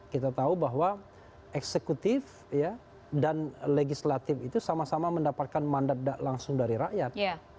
kita tahu bahwa eksekutif dan legislatif itu sama sama mendapatkan mandat langsung dari rakyat